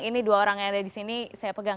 ini dua orang yang ada disini saya pegang